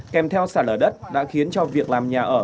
kèm theo xả lở đất đã khiến cho việc làm nhà ở